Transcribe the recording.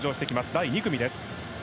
第２組です。